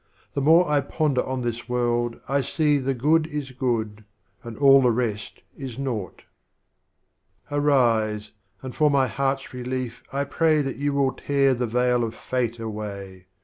The more I ponder on this World I see The Good is Good, and all the rest is Naught. Arise, and for my Heart's Relief I pray Tliatyou will tear the Veil of Fate away.